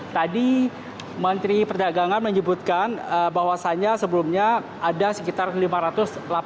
tadi menteri perdagangan menyebutkan bahwasannya sebelumnya ada sekitar lima ratus delapan puluh enam juta usd yang sudah disepakati